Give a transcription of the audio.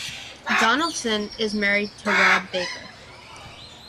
Donaldson is married to Rob Baker.